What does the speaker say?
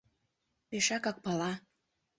Пешакак пала.